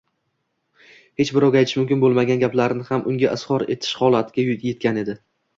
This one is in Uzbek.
hech birovga aytish mumkin bo’lmagan gaplarni ham unga izhor etish holatiga yetgan edi.